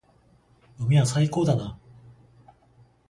海は最高だな。